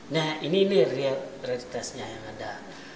nah ini nih realitasnya yang ada